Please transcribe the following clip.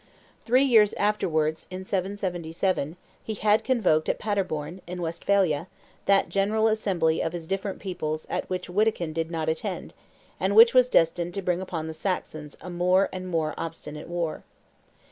Three years afterwards, in 777, he had convoked at Paderborn, in Westphalia, that general assembly of his different peoples at which Wittikind did not attend, and which was destined to bring upon the Saxons a more and more obstinate war.